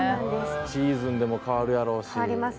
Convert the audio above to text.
シーズンでも変わるやろし。